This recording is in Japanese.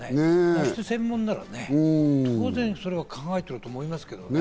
まして専門ならね、当然、それは考えてると思いますけどね。